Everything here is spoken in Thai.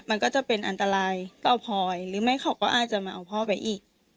มันก็จะเป็นอันตรายก็เอาพลอยหรือไม่เขาก็อาจจะมาเอาพ่อไปอีก